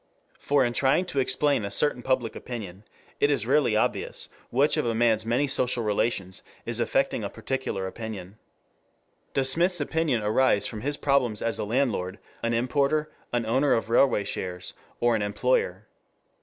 For in trying to explain a certain public opinion, it is rarely obvious which of a man's many social relations is effecting a particular opinion. Does Smith's opinion arise from his problems as a landlord, an importer, an owner of railway shares, or an employer?